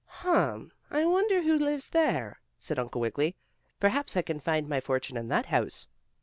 "Hum! I wonder who lives there?" said Uncle Wiggily. "Perhaps I can find my fortune in that house."